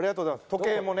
時計もね。